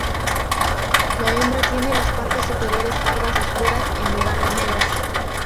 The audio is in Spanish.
La hembra tiene las partes superiores pardas oscuras en lugar de negras.